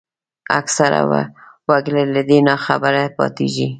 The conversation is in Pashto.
اکثره وګړي له دې ناخبره پاتېږي